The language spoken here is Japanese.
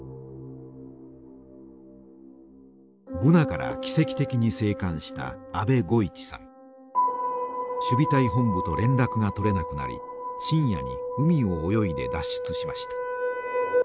ブナから奇跡的に生還した守備隊本部と連絡が取れなくなり深夜に海を泳いで脱出しました。